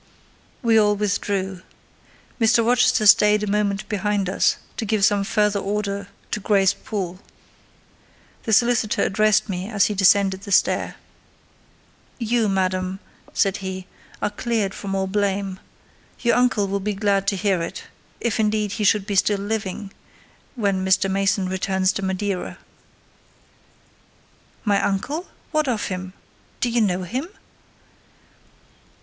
We all withdrew. Mr. Rochester stayed a moment behind us, to give some further order to Grace Poole. The solicitor addressed me as he descended the stair. "You, madam," said he, "are cleared from all blame: your uncle will be glad to hear it—if, indeed, he should be still living—when Mr. Mason returns to Madeira." "My uncle! What of him? Do you know him?"